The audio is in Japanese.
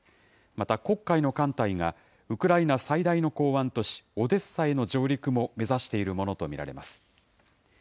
また黒海の艦隊が、ウクライナ最大の港湾都市オデッサへの上陸も目指しているものと見られます。